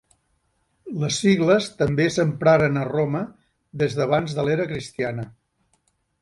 Les sigles també s'empraren a Roma des d'abans de l'era cristiana.